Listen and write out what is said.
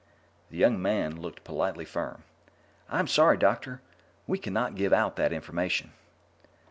The young man looked politely firm. "I'm sorry, doctor; we can not give out that information."